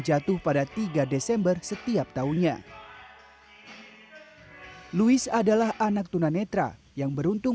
jatuh pada tiga desember setiap tahunnya louis adalah anak tunanetra yang beruntung